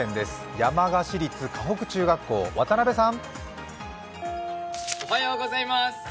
山鹿市立鹿北中学校、渡辺さん。